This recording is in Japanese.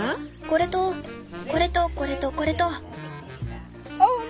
これとこれとこれとこれと。